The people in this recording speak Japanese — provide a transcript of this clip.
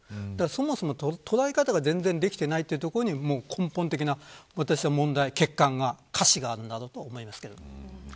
そもそも捉え方が全然できていないというところが根本的な問題、欠陥瑕疵があると思います。